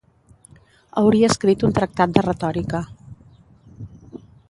Hauria escrit un tractat de retòrica.